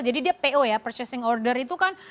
jadi dia po ya purchasing order itu kan